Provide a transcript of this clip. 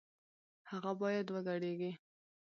هغه بايد وګډېږي